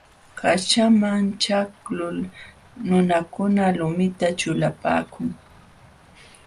Qaśhaman ćhaqlul nunakuna lumita ćhulapaakun.